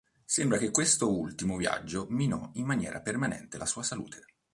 Sembra che questo ultimo viaggiò minò in maniera permanente la sua salute.